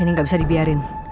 ini gak bisa dibiarin